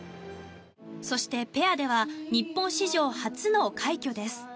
そして、ペアでは日本史上初の快挙です。